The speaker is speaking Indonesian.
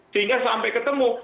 sehingga sampai ketemu